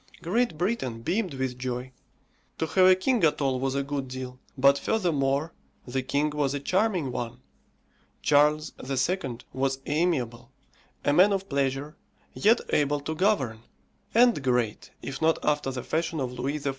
Great Britain beamed with joy; to have a king at all was a good deal but furthermore, the king was a charming one. Charles II. was amiable a man of pleasure, yet able to govern; and great, if not after the fashion of Louis XIV.